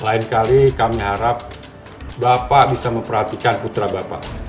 lain kali kami harap bapak bisa memperhatikan putra bapak